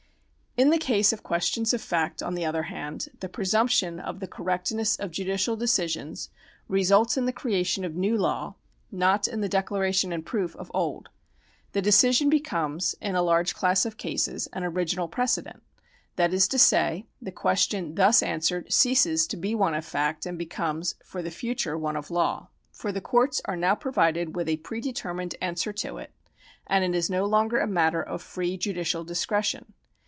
In the case of questions of fact, on the other hand, the presumption of the correctness of judicial decisions results in the creation of new law, not in the declaration and proof of old. The decision becomes, in a large class of cases, an original precedent. That is to say, the question thus answered ceases to be one of fact, and becomes for the future one of law. Eor the coiu ts are now provided with a prede termined answer to it, and it is no longer a matter of free judicial discretion.